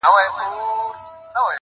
په ځنگله کي چي دي هره ورځ غړومبی سي٫